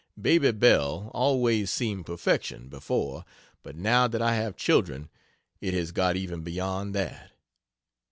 "Baby Bell" always seemed perfection, before, but now that I have children it has got even beyond that.